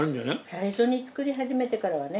最初に作り始めてからはね。